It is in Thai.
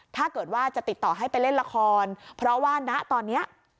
ถ้าเกิดว่าจะติดต่อให้ไปเล่นละครเพราะว่าณตอนนี้